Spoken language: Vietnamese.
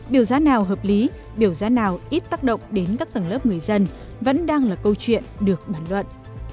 biểu giá nào hợp lý biểu giá nào ít tác động đến các tầng lớp người dân vẫn đang là câu chuyện được bản luận